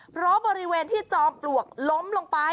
เพราะบริเวณที่จอมปลวกล้มลงไป